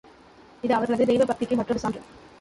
இது அவர்களது தெய்வ பக்திக்கு மற்றொரு சான்று.